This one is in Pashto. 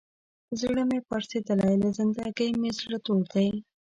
زړه مې پړسېدلی، له زندګۍ نه مې زړه تور دی.